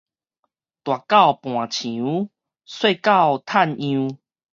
大狗盤牆，細狗趁樣